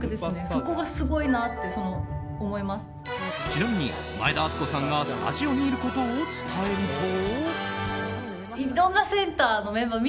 ちなみに、前田敦子さんがスタジオにいることを伝えると。